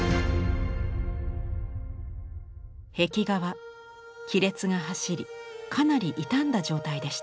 壁画は亀裂が走りかなり傷んだ状態でした。